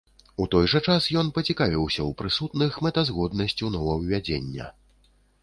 У той жа час ён пацікавіўся ў прысутных мэтазгоднасцю новаўвядзення.